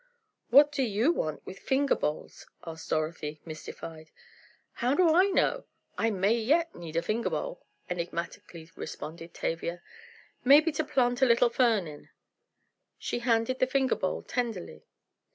"What do you want with finger bowls?" asked Dorothy, mystified. "How do I know? I may yet need a finger bowl," enigmatically responded Tavia, "maybe to plant a little fern in." She handled the finger bowl tenderly.